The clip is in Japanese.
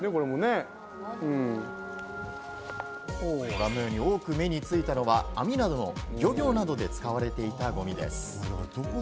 ご覧のように多く目についたのは網などの漁業などで使われていたゴミです。